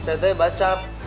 saya tadi bacap